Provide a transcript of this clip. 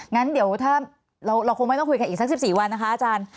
งั้นเดี๋ยวถ้าเราคงไม่ต้องคุยกันอีกสัก๑๔วันนะคะอาจารย์